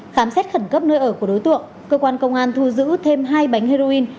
khám xét khẩn cấp nơi ở của đối tượng cơ quan công an thu giữ thêm hai bánh heroin